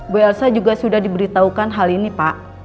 bu elsa juga sudah diberitahukan hal ini pak